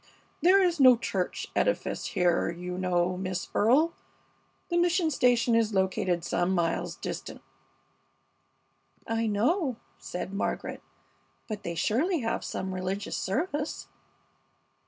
There is no church edifice here, you know, Miss Earle. The mission station is located some miles distant." "I know," said Margaret, "but they surely have some religious service?"